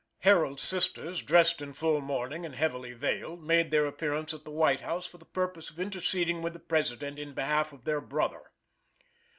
Harold's sisters, dressed in full mourning and heavily veiled, made their appearance at the White House, for the purpose of interceding with the President in behalf of their brother.